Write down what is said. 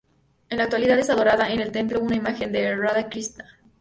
En la actualidad es adorada en el templo una imagen de Radha Krishna.